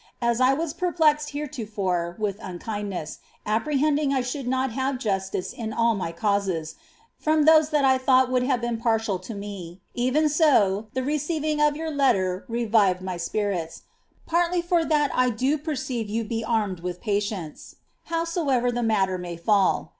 As I was pn plexed heretofore with unkindness, apprehending 1 should not have justice ia all my cau:>es from those that I thought would have been partial to mr, even «a the receiving of your leiler revived my spirits; partly for that I do peroeivtr )\u be armed with paiiejice, howsoever the matter may fall.